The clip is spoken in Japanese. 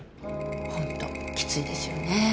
ホントキツいですよね